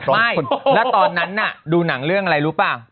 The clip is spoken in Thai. ใช่แล้วตอนนั้นน่ะดูหนังเรื่องอะไรรู้ป่ะ